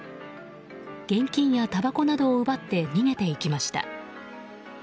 現金やたばこなどを奪って逃げていきました。